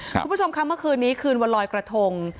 คุณผู้ชมค่ะเมื่อคืนนี้คืนวันลอยกระทง